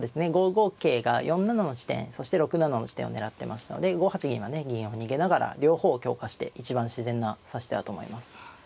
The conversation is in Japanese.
５五桂が４七の地点そして６七の地点を狙ってましたので５八銀はね銀を逃げながら両方を強化して一番自然な指し手だと思います。